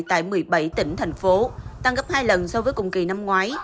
tại một mươi bảy tỉnh thành phố tăng gấp hai lần so với cùng kỳ năm ngoái